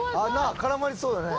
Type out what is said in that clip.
絡まりそうだね。